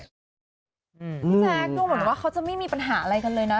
แจ๊คดูเหมือนว่าเขาจะไม่มีปัญหาอะไรกันเลยนะ